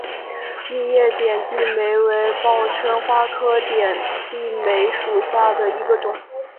异叶点地梅为报春花科点地梅属下的一个种。